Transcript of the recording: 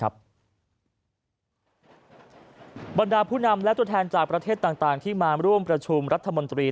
บรรดาผู้นำและตัวแทนจากประเทศต่างที่มาร่วมประชุมรัฐมนตรี